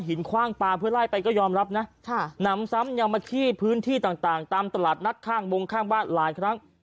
คว่างปลาเพื่อไล่ไปก็ยอมรับนะหนำซ้ำยังมาขี้พื้นที่ต่างตามตลาดนัดข้างวงข้างบ้านหลายครั้ง